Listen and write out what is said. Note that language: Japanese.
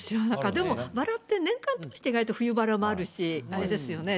でもバラって、年間通して意外と、冬バラもあるし、あれですよね。